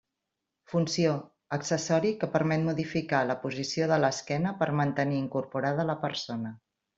Funció: accessori que permet modificar la posició de l'esquena per mantenir incorporada la persona.